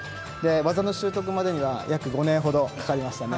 技の習得までには、約５年ほどかかりましたね。